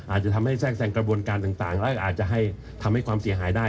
อาจจะทำให้แทรกแทรงกระบวนการต่างและอาจจะให้ทำให้ความเสียหายได้